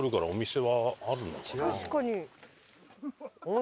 確かに。